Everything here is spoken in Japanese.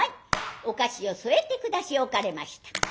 お菓子を添えて下し置かれました。